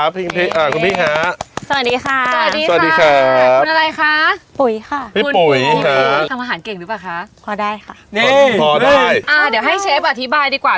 พี่ปุ๋ยทำอาหารเก่งดูปะคะพอได้ค่ะนี่พอได้อ่าเดี๋ยวให้เชฟอธิบายดีกว่า